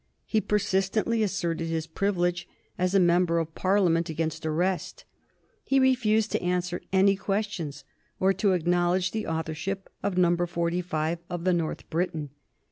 He persistently asserted his privilege, as a member of Parliament, against arrest. He refused to answer any questions or to acknowledge the authorship of No. 45 of the North Briton.